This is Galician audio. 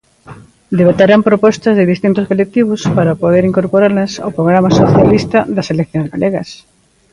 Debaterán propostas de distintos colectivos, para poder incorporalas ao programa socialista das eleccións galegas.